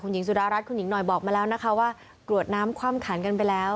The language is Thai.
หญิงสุดารัฐคุณหญิงหน่อยบอกมาแล้วนะคะว่ากรวดน้ำคว่ำขันกันไปแล้ว